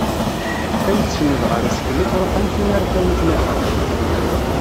Teqqim tsenned ɣer useklu truḥ am tin ara tawi tnafa.